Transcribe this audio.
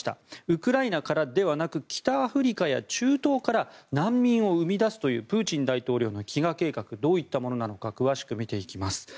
ウクライナからではなく北アフリカや中東から難民を生み出すというプーチン大統領の飢餓計画どういったものなのか詳しく見ていきます。